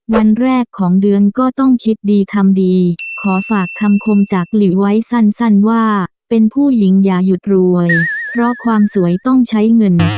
วันแรกของเดือนก็ต้องคิดดีคำดีขอฝากคำคมจากหลีไว้สั้นว่าเป็นผู้หญิงอย่าหยุดรวยเพราะความสวยต้องใช้เงิน